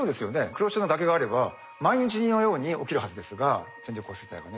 黒潮の崖があれば毎日のように起きるはずですが線状降水帯がね。